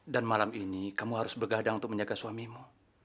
dan malam ini kamu harus bergadang untuk menjaga suamimu